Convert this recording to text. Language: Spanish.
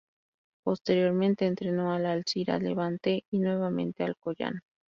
Posteriormente entrenó al Alzira, Levante y nuevamente Alcoyano.